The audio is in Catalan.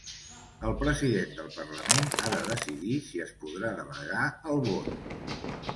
El president del parlament ha de decidir si es podrà delegar el vot